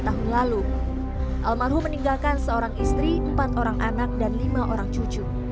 tahun lalu almarhum meninggalkan seorang istri empat orang anak dan lima orang cucu